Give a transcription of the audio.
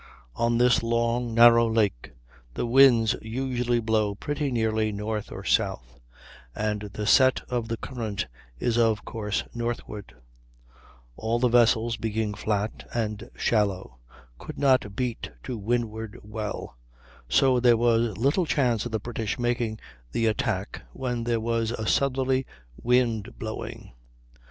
On this long, narrow lake the winds usually blow pretty nearly north or south, and the set of the current is of course northward; all the vessels, being flat and shallow, could not beat to windward well, so there was little chance of the British making the attack when there was a southerly wind blowing.